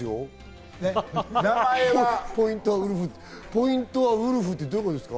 ポイントはウルフってどういうことですか？